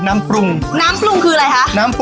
น้ำปรุ่งคืออะไรคะ